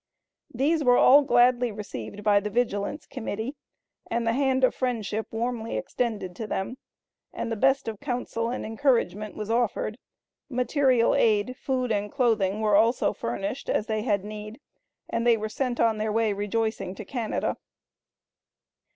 These were all gladly received by the Vigilance Committee, and the hand of friendship warmly extended to them; and the best of counsel and encouragement was offered; material aid, food and clothing were also furnished as they had need, and they were sent on their way rejoicing to Canada.